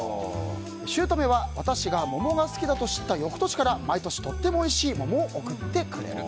姑は私が桃が好きだと知った翌年から毎年とってもおいしい桃を送ってくれる。